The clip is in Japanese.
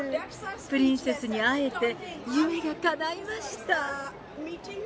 プリンセスに会えて、夢がかないました。